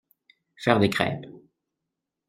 Faire des crêpes.